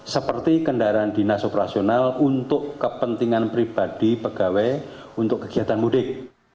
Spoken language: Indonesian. seperti kendaraan dinas operasional untuk kepentingan pribadi pegawai untuk kegiatan mudik